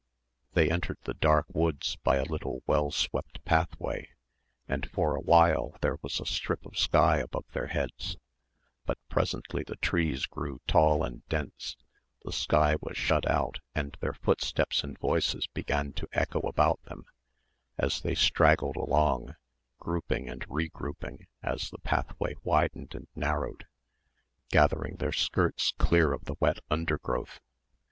They entered the dark woods by a little well swept pathway and for a while there was a strip of sky above their heads; but presently the trees grew tall and dense, the sky was shut out and their footsteps and voices began to echo about them as they straggled along, grouping and regrouping as the pathway widened and narrowed, gathering their skirts clear of the wet undergrowth.